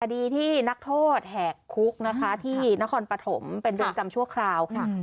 คดีที่นักโทษแหกคุกนะคะที่นครปฐมเป็นเรือนจำชั่วคราวค่ะ